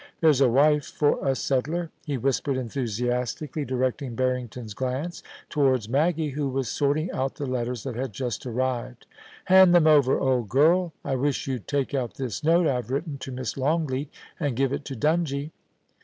There^s a wife for a settler 1' he whispered enthusiastically, directing Harrington's glance towards Maggie, who was sorting out the letters, that had just arrived * Hand them over, old girl I wish you'd take out this note I have written to Miss Longleat, and give it to Dungie.'